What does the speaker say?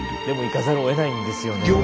でも行かざるをえないんですよね。